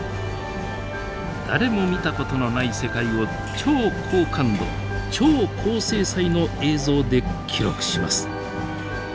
誰も見たことのない世界を超高感度超高精細の映像で記録します。